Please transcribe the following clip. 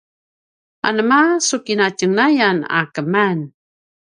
anema a su kinatjenglayan a keman?